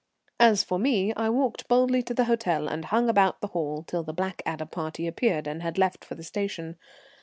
As for me, I walked boldly to the hotel and hung about the hall till the Blackadder party appeared and had left for the station.